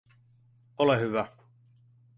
Ole hyvä